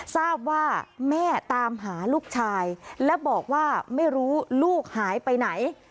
ทราบว่าแม่ตามหาลูกชายและบอกว่าไม่รู้ลูกหายไปไหน